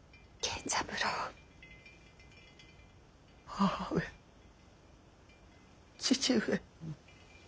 母上父上。